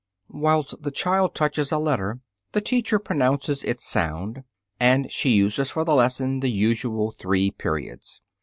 Whilst the child touches a letter, the teacher pronounces its sound, and she uses for the lesson the usual three periods.